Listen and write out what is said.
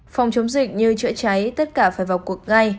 phòng chống dịch như chữa cháy tất cả phải vào cuộc ngay